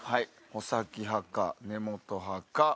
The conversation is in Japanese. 穂先派か根元派か。